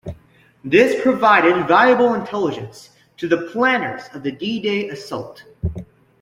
This provided valuable intelligence to the planners of the D-Day assault.